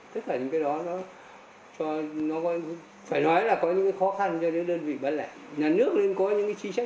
tất cả những cái đó nó phải nói là có những khó khăn cho đơn vị bán lại